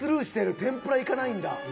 天ぷらいかないんだ。